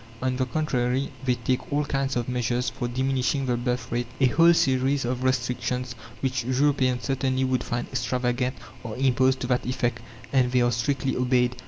On the contrary, they take all kinds of measures for diminishing the birth rate. A whole series of restrictions, which Europeans certainly would find extravagant, are imposed to that effect, and they are strictly obeyed.